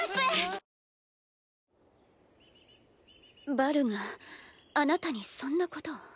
バルがあなたにそんなことを。